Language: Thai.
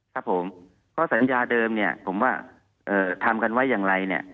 ครับผมเพราะสัญญาเดิมผมว่าทำกันไว้อย่างไร